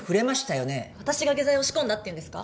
私が下剤を仕込んだって言うんですか？